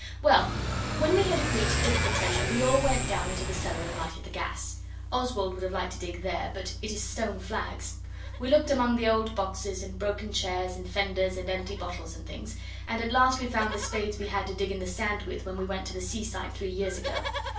Well, when we had agreed to dig for treasure we all went down into the cellar and lighted the gas. Oswald would have liked to dig there, but it is stone flags. We looked among the old boxes and broken chairs and fenders and empty bottles and things, and at last we found the spades we had to dig in the sand with when we went to the seaside three years ago.